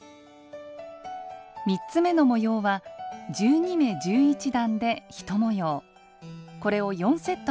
３つめの模様は１２目×１１段で１模様。